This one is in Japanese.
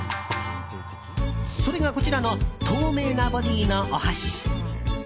それがこちらの透明なボディーのお箸。